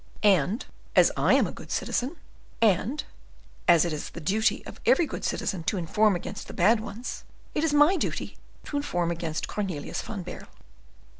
"And, as I am a good citizen, and as it is the duty of every good citizen to inform against the bad ones, it is my duty to inform against Cornelius van Baerle."